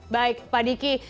baik pak diki